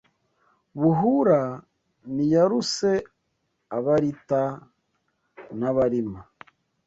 Buhura ntiyaruse abarita n’Abarima